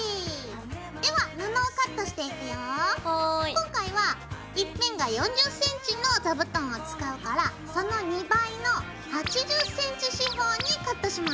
今回は１辺が４０ｃｍの座布団を使うからその２倍の８０ｃｍ四方にカットします。